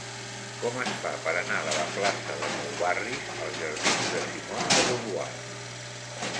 Com es fa per anar de la plaça de Nou Barris als jardins de Simone de Beauvoir?